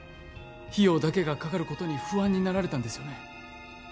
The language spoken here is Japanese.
費用だけがかかることに不安になられたんですよね？